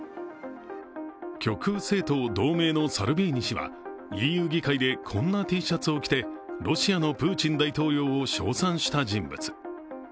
極右政党、同盟のサルビーニ氏はＥＵ議会でこんなＴシャツを着てロシアのプーチン大統領を称賛し人物。